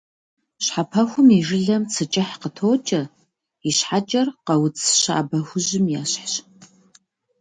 Щхьэпэхум и жылэм цы кӀыхь къытокӀэ, и щхьэкӀэр «къауц» щабэ хужьым ещхьу.